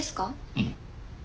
うん。